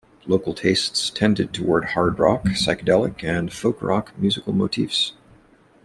Local tastes tended toward hard rock, psychedelic and folk-rock musical motifs.